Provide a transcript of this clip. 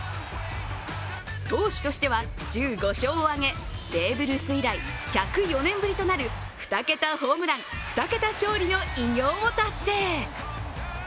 投手としては１５勝を挙げ、ベーブ・ルース以来１０４年ぶりとなる２桁ホームラン、２桁勝利の偉業を達成。